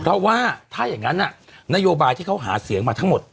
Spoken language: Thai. เพราะว่าถ้าอย่างนั้นนโยบายที่เขาหาเสียงมาทั้งหมด